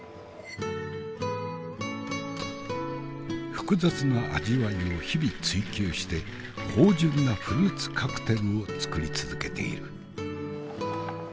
複雑な味わいを日々追求して芳醇なフルーツカクテルを作り続けている。